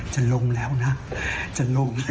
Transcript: จะลงแล้วนะ